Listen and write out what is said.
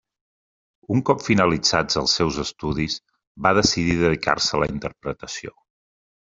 Un cop finalitzats els seus estudis va decidir dedicar-se a la interpretació.